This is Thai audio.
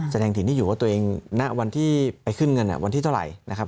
แสดงถิ่นที่อยู่ว่าตัวเองณวันที่ไปขึ้นเงินวันที่เท่าไหร่นะครับ